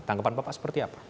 tanggapan bapak seperti apa